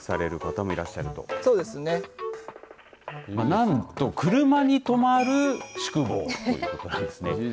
なんと車に泊まる宿坊ということなんですね。